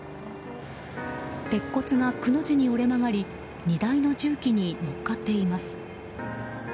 鉄骨が、くの字に折れ曲がり荷台の重機に乗っかっています。